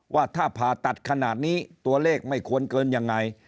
ว่าถ้าผ่าตัดขนาดนี้ตัวเลขไม่ควรเกินยังไง